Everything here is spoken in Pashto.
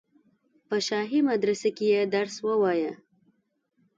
په شاهي مدرسه کې یې درس ووایه.